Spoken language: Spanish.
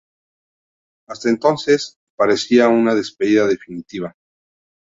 Hasta entonces, parecía una despedida definitiva.